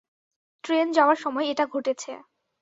Train যাওয়ার সময় এটা ঘটেছে।